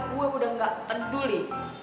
gue udah gak peduli